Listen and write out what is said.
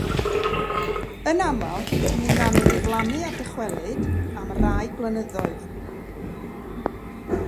Yn aml, mi wnân nhw ddiflannu a dychwelyd am rai blynyddoedd.